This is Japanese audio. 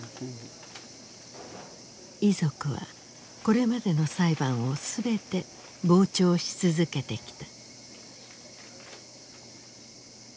遺族はこれまでの裁判を全て傍聴し続けてきた。